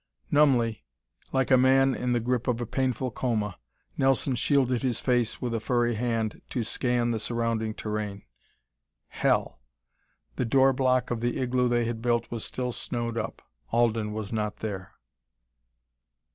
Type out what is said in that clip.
Numbly, like a man in the grip of a painful coma, Nelson shielded his face with a furry hand to scan the surrounding terrain. "Hell!" The door block of the igloo they had built was still snowed up; Alden was not there!